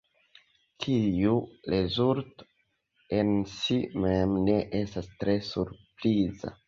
Tiu rezulto en si mem ne estas tre surpriza.